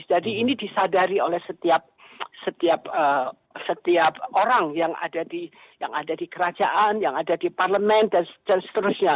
jadi ini disadari oleh setiap orang yang ada di kerajaan yang ada di parlement dan seterusnya